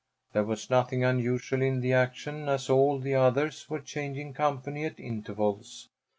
There was nothing unusual in the action, as all the others were changing company at intervals.